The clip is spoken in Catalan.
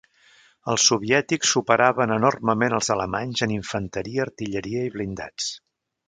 Els soviètics superaven enormement als alemanys en infanteria, artilleria i blindats.